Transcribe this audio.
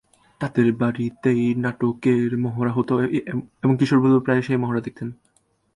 তাদের বাড়িতেই নাটকের মহড়া হত, এবং কিশোর বুলবুল প্রায়ই সেই মহড়া দেখতেন।